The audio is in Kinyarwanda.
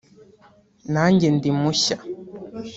nanjye ndi mushya